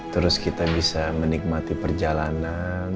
terus kita bisa menikmati perjalanan